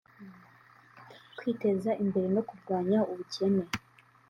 kwiteza imbere no kurwanya ubukene